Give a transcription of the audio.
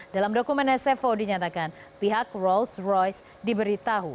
dalam dokumen sfo dinyatakan pihak rolls royce diberitahu